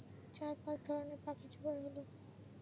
চার পাঁচ ধরনের পাখি যোগাড় হল।